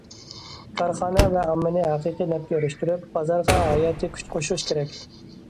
كارخانا ۋە ئاممىنى ھەقىقىي نەپكە ئېرىشتۈرۈپ، بازارغا ھاياتىي كۈچ قوشۇش كېرەك.